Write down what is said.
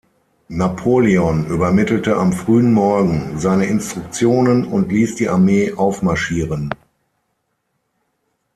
Napoleon übermittelte am frühen Morgen seine Instruktionen und ließ die Armee aufmarschieren.